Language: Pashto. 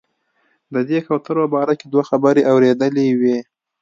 د دې کوترو باره کې دوه خبرې اورېدلې وې.